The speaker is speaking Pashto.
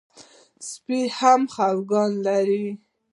سپي هم خپګان لري.